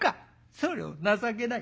それを情けない。